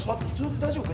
大丈夫か？